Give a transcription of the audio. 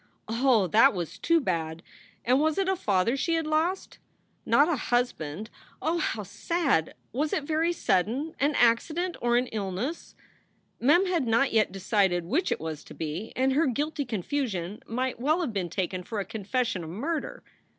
Oh, that was too bad! And was it a father she had lost? Not a husband? Oh, how sad! Was it very sudden? An accident or an illness? Mem had not yet decided which it was to be, and her guilty confusion might well have been taken for a confession of murder.